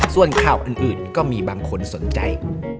ส่วนข่าวอื่นก็มีบางคนสนใจ